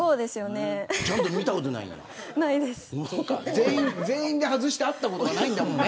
全員で外して会ったことがないんだもんね。